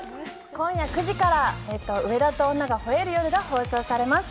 今夜９時から『上田と女が吠える夜』が放送されます。